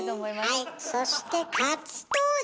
はいそして初登場！